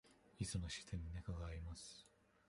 いすの下に猫がいます。